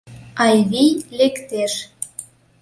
Айвий лектеш.